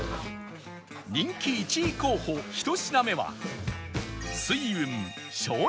人気１位候補１品目は